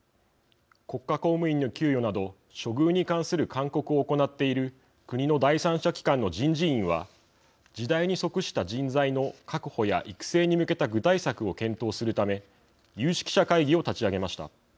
国家公務員の給与など処遇に関する勧告を行っている国の第三者機関の人事院は時代に即した人材の確保や育成に向けた具体策を検討するため有識者会議を立ち上げました。